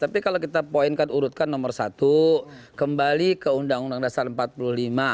tapi kalau kita poinkan urutkan nomor satu kembali ke undang undang dasar empat puluh lima